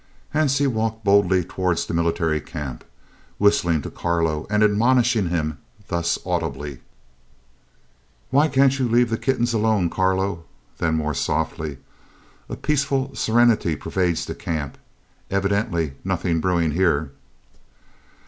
Hansie walked boldly towards the Military Camp, whistling to Carlo and admonishing him thus audibly: "Why can't you leave the kittens alone, Carlo?" Then more softly: "A peaceful serenity pervades the camp. Evidently nothing brewing here!"